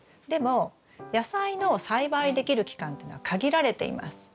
でも野菜の栽培できる期間っていうのは限られています。